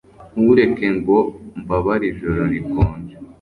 ntureke ngo mbabare ijoro rikonje